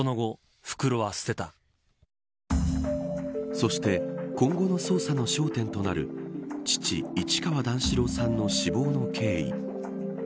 そして今後の捜査の焦点となる父、市川段四郎さんの死亡の経緯。